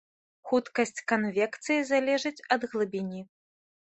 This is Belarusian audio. Хуткасць канвекцыі залежыць ад глыбіні.